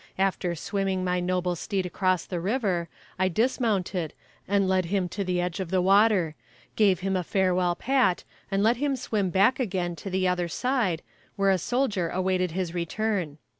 After swimming my noble steed across the river, I dismounted, and led him to the edge of the water gave him a farewell pat, and let him swim back again to the other side, where a soldier awaited his return.